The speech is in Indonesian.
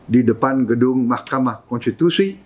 di depan gedung mahkamah konstitusi